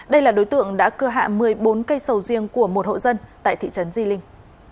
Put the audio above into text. đây là đối tượng đã cưa hạ một mươi bốn cây sầu riêng của một hộ dân tại thị trấn di linh